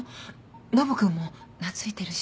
ノブ君も懐いてるし。